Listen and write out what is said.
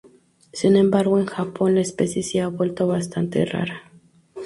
Sin embargo, en Japón la especie se ha vuelto bastante rara.